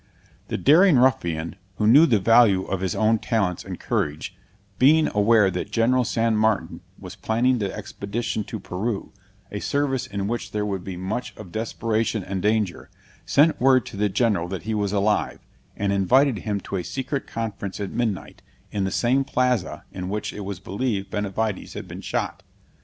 The daring ruffian, who knew the value of his own talents and courage, being aware that General San Martin was planning the expedition to Peru, a service in which there would be much of desperation and danger, sent word to the General that he was alive, and invited him to a secret conference at midnight, in the same Plaza in which it was believed Benavides had been shot.